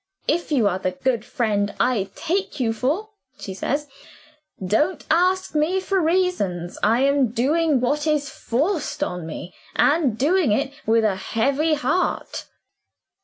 'If you are the good friend I take you for,' she says, 'don't ask me for reasons; I am doing what is forced on me, and doing it with a heavy heart.